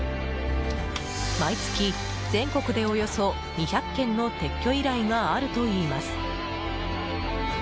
毎月、全国でおよそ２００件の撤去依頼があるといいます。